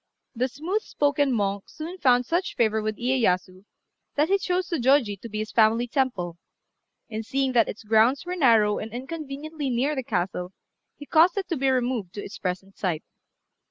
The smooth spoken monk soon found such favour with Iyéyasu, that he chose Zôjôji to be his family temple; and seeing that its grounds were narrow and inconveniently near the castle, he caused it to be removed to its present site.